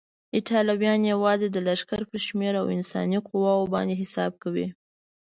ایټالویان یوازې د لښکر پر شمېر او انساني قواوو باندې حساب کوي.